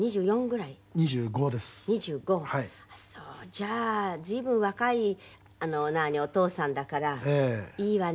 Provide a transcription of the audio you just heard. じゃあ随分若いお父さんだからいいわね。